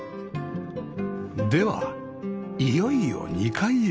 ではいよいよ２階へ